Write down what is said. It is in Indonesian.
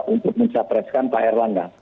untuk mencapreskan pak erlangga